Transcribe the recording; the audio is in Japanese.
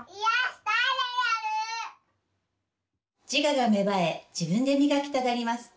自我が芽生え自分で磨きたがります。